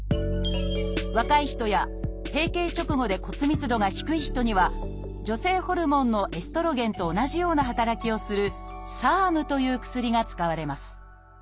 若い人や閉経直後で骨密度が低い人には女性ホルモンのエストロゲンと同じような働きをする「ＳＥＲＭ」という薬が使われます